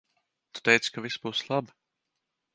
Tu teici ka viss būs labi.